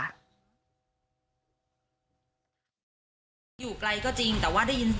ในจ้างเค้าจะรู้ก่อน